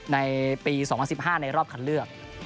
ในปี๒๐๑๕ในรอบคันเลือก